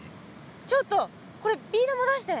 ちょっとこれビー玉出して。